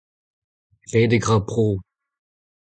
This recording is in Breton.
Redek a ra bro.